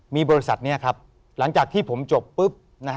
มีบริษัทนี้ครับหลังจากที่ผมจบปุ๊บ